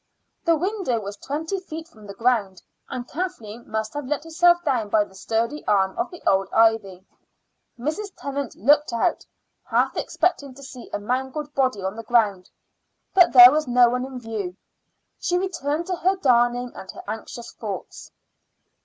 The window was twenty feet from the ground, and Kathleen must have let herself down by the sturdy arm of the old ivy. Mrs. Tennant looked out, half expecting to see a mangled body on the ground; but there was no one in view. She returned to her darning and her anxious thoughts.